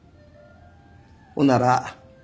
ほんなら。